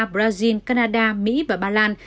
brazil canada mỹ và ba lan